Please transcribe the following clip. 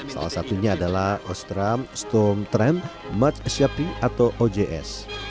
salah satunya adalah ostram storm tram matsyapi atau ojs